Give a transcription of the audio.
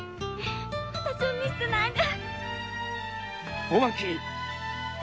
私を見捨てないで！